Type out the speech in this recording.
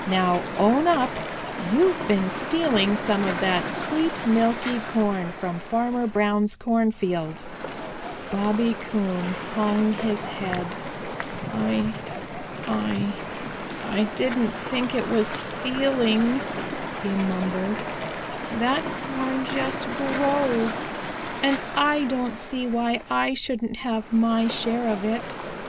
Now own up you've been stealing some of that sweet, milky corn from Farmer Brown's cornfield." Bobby Coon hung his head. "I I I don't think it was stealing," he mumbled. "That corn just grows, and I don't see why I shouldn't have my share of it.